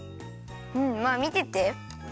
うんまあみてて。